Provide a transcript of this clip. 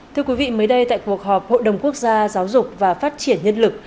thưa quý vị mới đây tại cuộc họp hội đồng quốc gia giáo dục và phát triển nhân lực